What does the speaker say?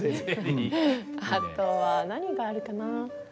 あとは何があるかな？